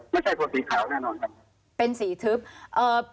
ไม่ใช่คนสีขาวแน่นอน